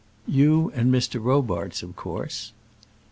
"You and Mr. Robarts, of course."